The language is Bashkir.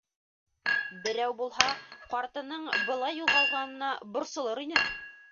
Берәү булһа, ҡартының былай юғалғанына борсолор ине.